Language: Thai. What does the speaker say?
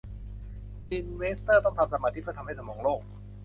ซิลเวสเตอร์ต้องทำสมาธิเพื่อทำให้สมองโล่ง